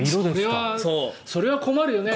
それは困るよね。